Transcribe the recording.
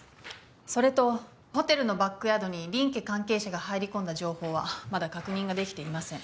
それとホテルのバックヤードに林家関係者が入り込んだ情報はまだ確認ができていません。